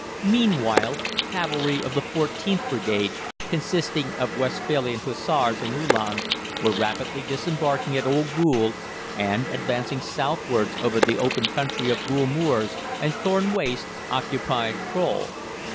"Meanwhile cavalry of the 14th Brigade, consisting of Westphalian Hussars and Uhlans, were rapidly disembarking at Old Goole, and, advancing southwards over the open country of Goole Moors and Thorne Waste, occupied Crowle.